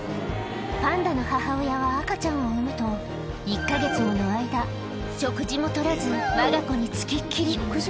パンダの母親は赤ちゃんを産むと、１か月もの間、食事もとらず、わが子に付きっきり。